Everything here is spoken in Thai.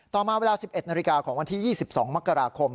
มาเวลา๑๑นาฬิกาของวันที่๒๒มกราคม